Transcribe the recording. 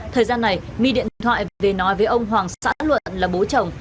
thời gian này my điện thoại và về nói với ông hoàng xã luận là bố chồng